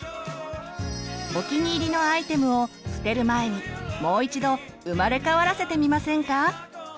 お気に入りのアイテムを捨てる前にもう一度生まれ変わらせてみませんか！